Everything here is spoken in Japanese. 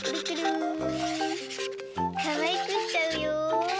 かわいくしちゃうよ。